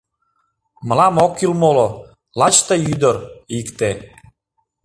Мылам ок кӱл моло, лач ты ӱдыр — икте